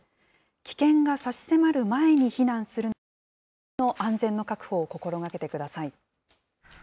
危険が差し迫る前に避難するなど、早めの安全の確保を心がけてください。